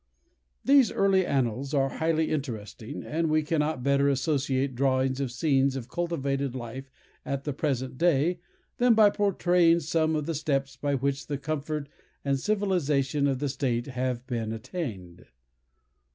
These early annals are highly interesting, and we cannot better associate drawings of scenes of cultivated life at the present day, than by portraying some of the steps by which the comfort and civilization of the state have been attained.